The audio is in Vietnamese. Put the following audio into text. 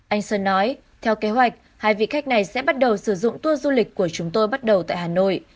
anh sơn nói theo kế hoạch hai vị khách này sẽ bắt đầu sử dụng tour du lịch của chúng tôi bắt đầu tại hà nội